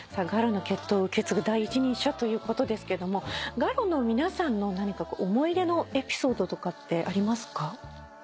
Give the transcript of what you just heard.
ガロの血統を受け継ぐ第一人者ということですけどもガロの皆さんの何か思い出のエピソードとかってありますか？